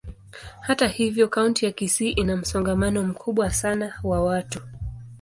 Hata hivyo, kaunti ya Kisii ina msongamano mkubwa sana wa watu.